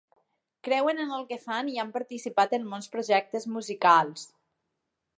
Creuen en el que fan i han participat en molts projectes musicals.